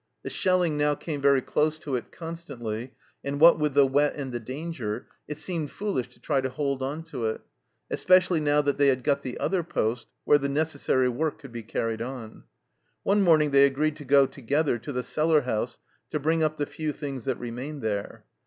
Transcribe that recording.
The shelling now came very close to it constantly, and what with the wet and the danger, it seemed foolish to try to hold on to it, especially now that they had got the other poste where the necessary work could be carried on. . One morning they agreed to go together to the cellar house to bring up the few things that remained there.